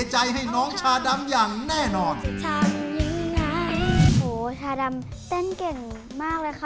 โอ้โหชาดำเต้นเก่งมากเลยค่ะ